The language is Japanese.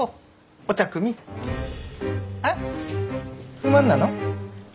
不満なの？